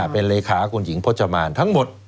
เป็นเลขาคุณหญิงพจมานทั้งหมด